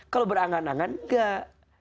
kalau berangan angan enggak